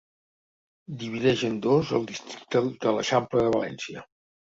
Divideix en dos el districte de l'Eixample de València.